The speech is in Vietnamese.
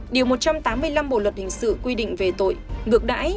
điều một trăm tám mươi năm bộ luật hình sự quy định về tội ngược đãi